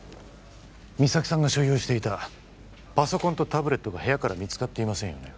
実咲さんが所有していたパソコンとタブレットが部屋から見つかっていませんよね